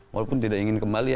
walaupun tidak ingin kembali